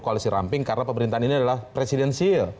koalisi ramping karena pemerintahan ini adalah presidensil